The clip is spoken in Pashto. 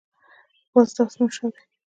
باز د اسمان شاه دی